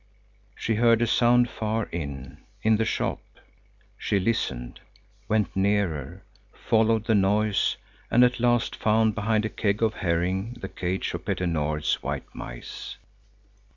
She heard a sound far in, in the shop. She listened, went nearer, followed the noise, and at last found behind a keg of herring the cage of Petter Nord's white mice.